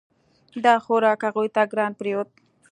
دا خوراک هغوی ته ګران پریوت.